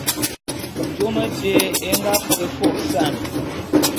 Jôm éte é nga bo é fô'ôsan.